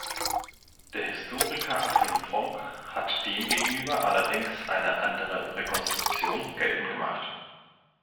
Der Historiker Achim Trunk hat demgegenüber allerdings eine andere Rekonstruktion geltend gemacht.